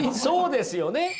そうですよね！